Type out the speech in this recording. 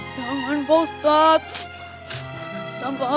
tidak ada yang bisa dikawal